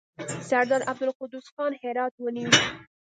سردار عبدالقدوس خان هرات ونیوی.